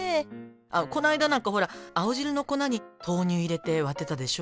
この間なんかほら青汁の粉に豆乳入れて割ってたでしょ？